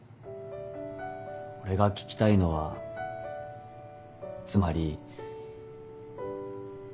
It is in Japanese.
俺が聞きたいのはつまり。